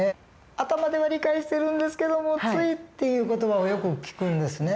頭では理解してるんですけどもついっていう言葉をよく聞くんですね。